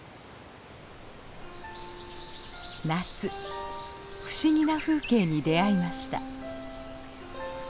夏不思議な風景に出会いました。